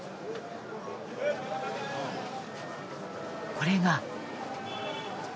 これが。